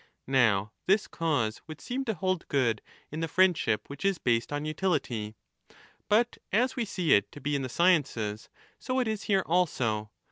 Now this cause would seem to hold good in the friendship 35 which is based on utility. But as we see it to be in the sciences, so it is here also.